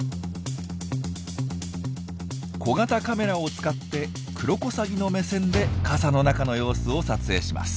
小型カメラを使ってクロコサギの目線で傘の中の様子を撮影します。